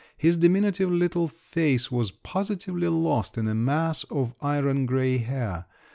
His diminutive little face was positively lost in a mass of iron grey hair.